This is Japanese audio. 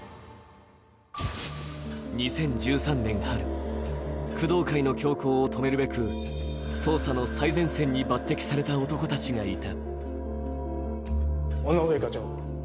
２０１３年春、工藤会の凶行を止めるべく捜査の最前線に抜てきされた男たちがいた。